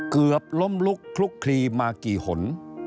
เกือบล้มลุกคลุกคลีมากี่หน